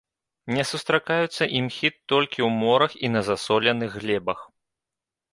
Не сустракаюцца імхі толькі ў морах і на засоленых глебах.